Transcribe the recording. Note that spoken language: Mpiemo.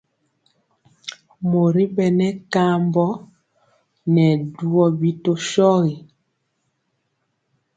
Mori bɛnɛ kambɔ ŋɛɛ dubɔ bi tɔ shogi.